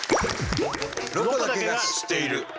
「ロコだけが知っている」。